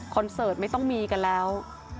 เสิร์ตไม่ต้องมีกันแล้ว